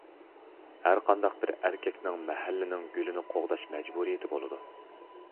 ھەر قانداق بىر ئەركەكنىڭ مەھەللىنىڭ گۈلىنى قوغداش مەجبۇرىيىتى بولىدۇ.